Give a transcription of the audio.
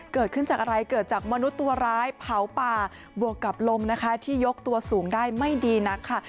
เกิดขึ้นจากอะไรเกิดจากมนุษย์ตัวร้ายเผาป่าบวกกับลมนะคะที่ยกตัวสูงได้ไม่ดีนักค่ะ